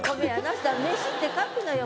そしたら「飯」って書くのよ